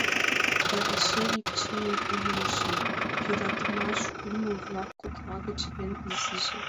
Да эше ик чыным умылышым: йӧратымаш – ӱмыл-влак кокла гыч эн изиже.